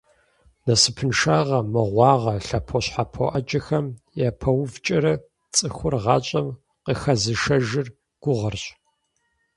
Насыпыншагъэ, мыгъуагъэ, лъэпощхьэпо Ӏэджэхэм япэувкӀэрэ, цӀыхур гъащӀэм къыхэзышэжыр гугъэрщ.